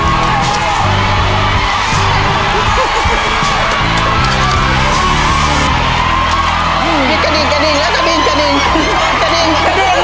หือมีกระดิ่งกระดิ่งล่ะจะบีนกระดิ่งกระดิ่ง